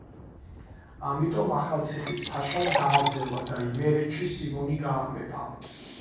ამიტომ ახალციხის ფაშამ გააძევა და იმერეთში სიმონი გაამეფა.